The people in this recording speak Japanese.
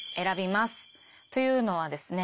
というのはですね